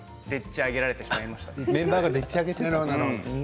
メンバーがでっちあげたと。